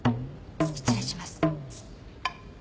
失礼します。